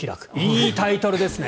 いいタイトルですね。